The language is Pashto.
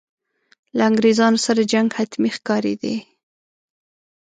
له انګرېزانو سره جنګ حتمي ښکارېدی.